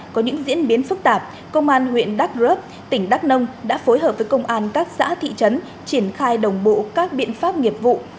có những diễn biến phức tạp công an huyện đắk rớp tỉnh đắk nông đã phối hợp với công an các xã thị trấn triển khai đồng bộ các biện pháp nghiệp vụ